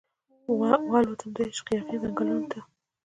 والوتم دعشق یاغې ځنګلونو ته